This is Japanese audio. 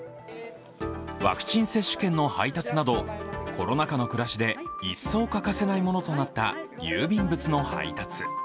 ワクチン接種券の配達などコロナ禍の暮らしで一層欠かせないものとなった郵便物の配達。